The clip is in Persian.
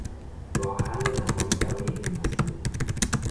راه حل نهایی برای این مسئله